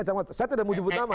saya tidak mau jubuh sama